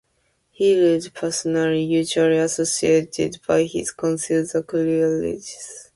He ruled personally, usually assisted by his Council, the Curia Regis.